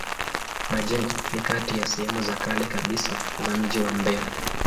Majengo ni kati ya sehemu za kale kabisa za mji wa Mbeya.